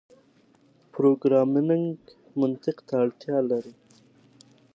پروګرامنګ منطق ته اړتیا لري.